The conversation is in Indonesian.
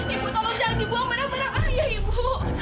ibu tolong jangan dibuang barang barang ayah ibu